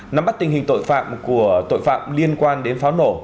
nắm bắt tình hình tội phạm của tội phạm liên quan đến pháo nổ